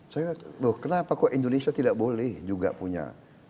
saya loh kenapa kok indonesia tidak boleh juga punya